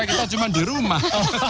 kita cuma di rumah